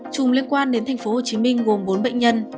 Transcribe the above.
chủng liên quan đến thành phố hồ chí minh gồm bốn bệnh nhân